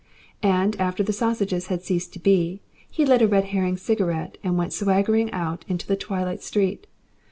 And after the sausages had ceased to be, he lit a Red Herring cigarette and went swaggering out into the twilight street.